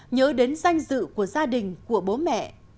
nhớ đến danh dự của gia đình của bố mẹ